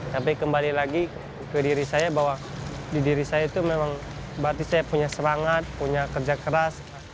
tapi kembali lagi ke diri saya bahwa di diri saya itu memang berarti saya punya semangat punya kerja keras